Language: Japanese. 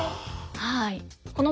はい。